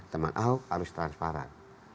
teman aho harus transparan